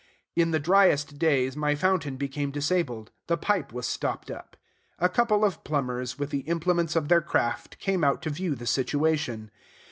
In the driest days, my fountain became disabled: the pipe was stopped up. A couple of plumbers, with the implements of their craft, came out to view the situation.